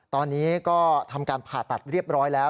ตอนนี้ก็ทำการผ่าตัดเรียบร้อยแล้ว